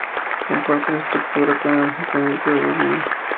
Comparte estructura con el asentamiento de Boiro.